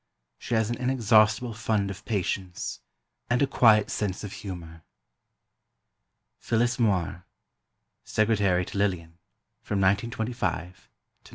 She has an inexhaustible fund of patience, and a quiet sense of humor." PHYLLIS MOIR (secretary to Lillian, 1925 27) CONTENTS PART I I.